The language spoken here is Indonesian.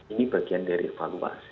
ini bagian dari evaluasi